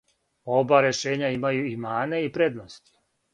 Оба решења имају и мане и предности.